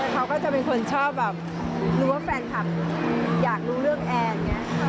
เค้าก็จะเป็นคนชอบรู้ว่าแฟนคลับอยากรู้เรื่องแอนน์